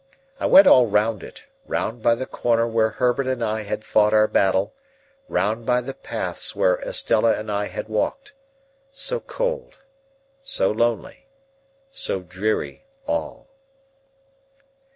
I went all round it; round by the corner where Herbert and I had fought our battle; round by the paths where Estella and I had walked. So cold, so lonely, so dreary all!